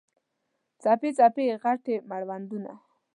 څپې، څپې یې، غټ مړوندونه